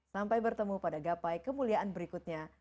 sampai bertemu pada gapai kemuliaan berikutnya